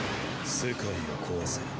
世界を壊せ。